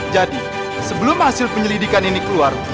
sebelum hasil penyelidikan ini keluar